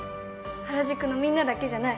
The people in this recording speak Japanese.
原宿のみんなだけじゃない。